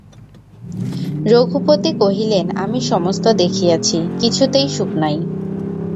রঘুপতি কহিলেন, আমি সমস্ত দেখিয়াছি, কিছুতেই সুখ নাই।